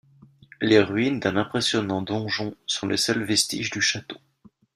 Les ruines d’un impressionnant donjon sont les seuls vestiges du château.